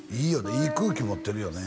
いい空気持ってるよね